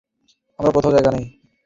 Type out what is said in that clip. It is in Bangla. আমার কোথাও যাওয়ার জায়গা নেই।